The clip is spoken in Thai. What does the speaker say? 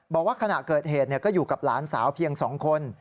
บอกว่าขณะเกิดเหตุก็อยู่กับหลานสาวเพียง๒คน